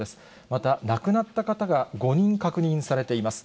また、亡くなった方が５人確認されています。